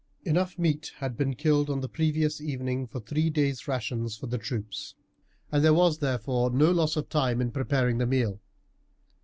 Enough meat had been killed on the previous evening for three days' rations for the troops, and there was therefore no loss of time in preparing the meal.